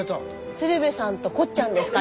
鶴瓶さんとこっちゃんですか？